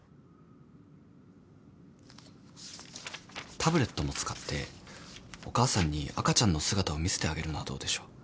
タブレットも使ってお母さんに赤ちゃんの姿を見せてあげるのはどうでしょう？